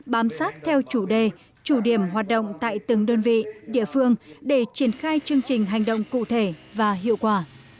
bám sát theo chủ đề chủ điểm hoạt động tại từng đơn vị địa phương để triển khai chương trình hành động cụ thể và hiệu quả